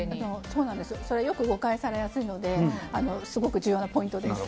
それ、よく誤解されやすいのですごく重要なポイントです。